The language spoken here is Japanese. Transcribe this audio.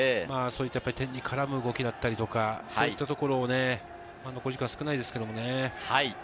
点に絡む動きだったり、そういったところを残り時間少ないですけどね。